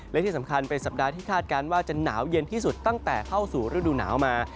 และที่สำคัญเป็นสัปดาห์ที่คาดการณ์ว่าจะหนาวเย็นที่สุดตั้งแต่เข้าสู่ฤดูหนาวมา